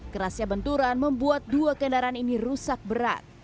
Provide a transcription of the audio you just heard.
kerasnya benturan membuat dua kendaraan ini rusak berat